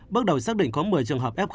bước đầu xác định có một mươi trường hợp f một